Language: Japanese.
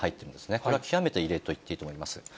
これは極めて異例と言っていいと思います。